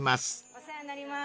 お世話になります。